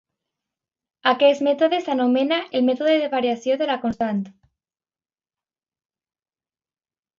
Aquest mètode s'anomena el mètode de variació de la constant.